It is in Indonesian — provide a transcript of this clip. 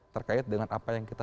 terkait dengan apa yang kita